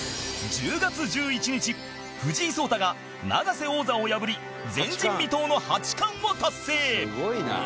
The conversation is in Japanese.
１０月１１日藤井聡太が永瀬王座を破り前人未到の八冠を達成